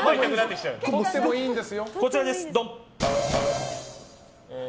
こちらです、どん！